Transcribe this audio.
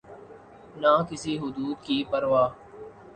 نہ کسی حدود کی پروا۔